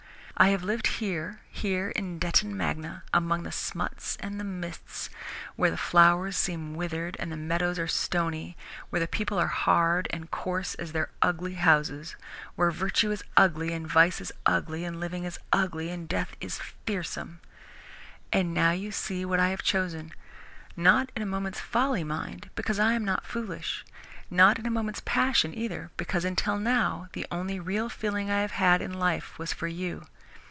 I have lived here, here in Detton Magna, among the smuts and the mists, where the flowers seem withered and even the meadows are stony, where the people are hard and coarse as their ugly houses, where virtue is ugly, and vice is ugly, and living is ugly, and death is fearsome. And now you see what I have chosen not in a moment's folly, mind, because I am not foolish; not in a moment's passion, either, because until now the only real feeling I have had in life was for you.